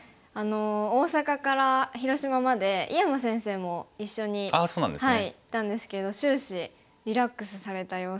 大阪から広島まで井山先生も一緒に行ったんですけど終始リラックスされた様子でしたね。